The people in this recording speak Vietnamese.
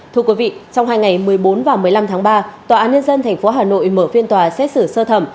thưa quý vị trong hai ngày một mươi bốn và một mươi năm tháng ba tòa án nhân dân tp hà nội mở phiên tòa xét xử sơ thẩm